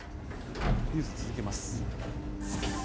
ニュース続けます。